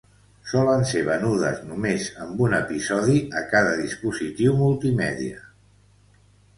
Solen ser venudes només amb un episodi a cada dispositiu multimèdia.